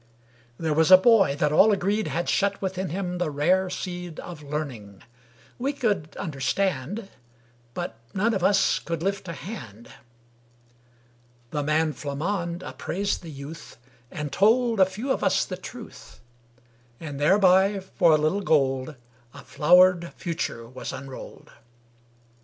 There was a boy that all agreed had shut within him the rare seed Of learning. We could understand, But none of us could lift a hand. The man Flammonde appraised the youth, And told a few of us the truth; And thereby, for a little gold, A flowered future was unrolled.